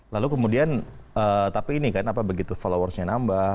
lalu kemudian tapi ini kan apa begitu followersnya nambah